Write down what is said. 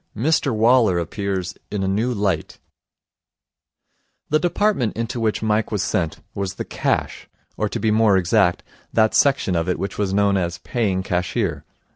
Mr Waller Appears in a New Light The department into which Mike was sent was the Cash, or, to be more exact, that section of it which was known as Paying Cashier.